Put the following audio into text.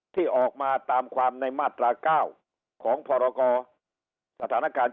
ที่ออกมาตามความในมาตรา๙ของพรกรสถานการณ์